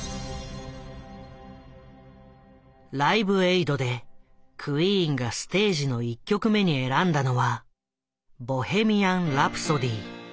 「ライブエイド」でクイーンがステージの１曲目に選んだのは「ボヘミアン・ラプソディ」。